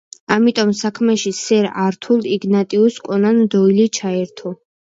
ამიტომ საქმეში სერ ართურ იგნატიუს კონან დოილი ჩაერთო.